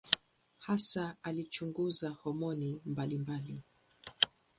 Hasa alichunguza homoni mbalimbali.